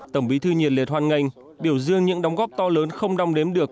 tổng bí thư nhiệt liệt hoan nghênh biểu dương những đóng góp to lớn không đong đếm được